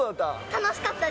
楽しかった？